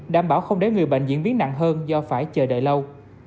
đảm bảo không để người bệnh diễn biến nặng hơn do phải chờ đợi lâu